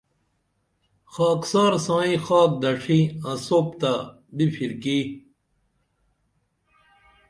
خاکسار سائیں خاک دڇھی انسوپ تہ بِپھرکی